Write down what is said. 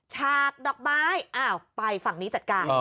ฉากดอกไม้อ้าวไปฝั่งนี้จัดการ